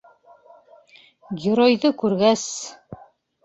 Геройҙы күргәс.